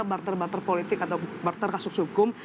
barter barter politik atau barter kasus hukum